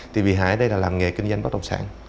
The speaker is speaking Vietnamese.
thì bị hại ở đây là làm nghề kinh doanh bất động sản